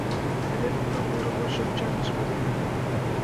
Теве кунам мурымыжым чарныш Марина!